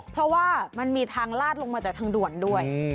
เพราะว่ามันมีทางลาดลงมาจากทางด่วนด้วย